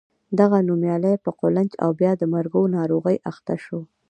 دغه نومیالی په قولنج او بیا د مرګو ناروغۍ اخته شو.